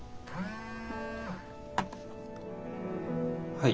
はい。